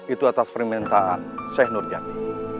itu atas permintaan syekh nurjani